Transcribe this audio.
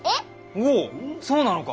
おぉそうなのか！